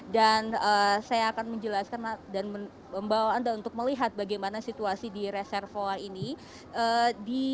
dan saya akan menjelaskan dan membawa anda untuk melihat bagaimana situasi di reservoir ini